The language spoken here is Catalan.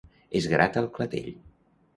Es grata el clatell.